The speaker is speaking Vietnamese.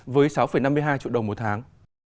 với sáu năm mươi hai triệu đồng một tháng